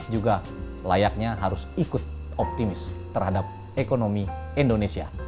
juga layaknya harus ikut optimis terhadap ekonomi indonesia